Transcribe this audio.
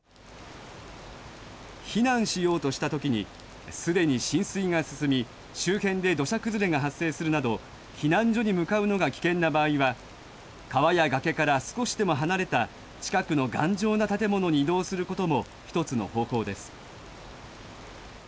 避難しようとしたときにすでに浸水が進み周辺で土砂崩れが発生するなど避難所に向かうのが危険な場合は川や崖から少しでも離れた近くの頑丈な建物に移動することも１つの方法です。